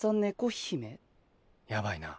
やばいな。